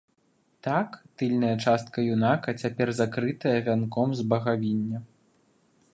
Так, тыльная частка юнака цяпер закрытая вянком з багавіння.